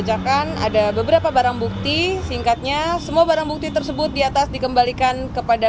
ajakan ada beberapa barang bukti singkatnya semua barang bukti tersebut diatas dikembalikan kepada